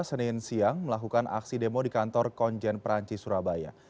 senin siang melakukan aksi demo di kantor konjen perancis surabaya